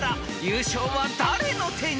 ［優勝は誰の手に？］